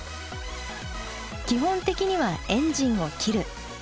基本的にはエンジンを切る。